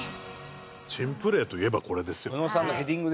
珍プレーといえばこれですよ